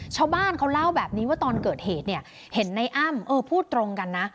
ชาวบ้านเขาเล่าแบบนี้ว่าตอนเกิดเหตุเนี่ยเห็นในอ้ำเออพูดตรงกันนะ